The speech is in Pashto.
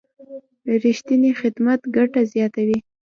رښتینی خدمت ګټه زیاتوي.